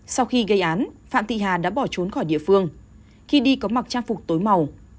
sau khi gây án phạm thị hà đã bỏ trốn khỏi địa phương khi đi có mặc trang phục tối màu